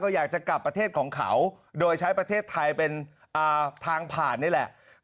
อยากจะกลับประเทศของเขาโดยใช้ประเทศไทยเป็นทางผ่านนี่แหละ